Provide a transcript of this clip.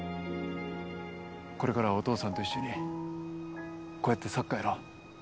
これからはお父さんと一緒にこうやってサッカーやろう。